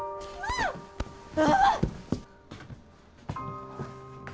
ああ。